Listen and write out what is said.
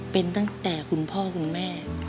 เป็นตั้งแต่คุณพ่อคุณแม่